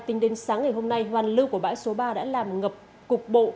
tính đến sáng ngày hôm nay hoàn lưu của bão số ba đã làm ngập cục bộ